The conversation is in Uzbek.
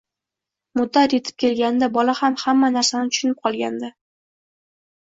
Muddat etib kelganida bola ham hamma narsani tushunib qolgandi